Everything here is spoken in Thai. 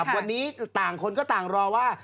วันนี้ต่างคนก็ต่างรอว่า